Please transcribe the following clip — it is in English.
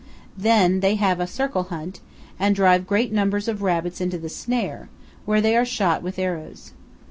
Then they have a circle hunt, and drive great numbers of rabbits into the snare, where they are shot with arrows.